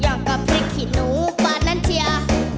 อย่างกับพริกขี้หนูปลาดนั้นเทีย